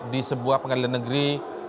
di sebuah pengadilan negeri